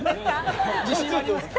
自信ありますか？